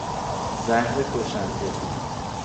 زهر کشنده